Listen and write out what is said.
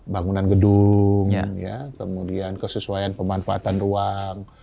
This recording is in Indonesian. bangunan gedung kemudian kesesuaian pemanfaatan ruang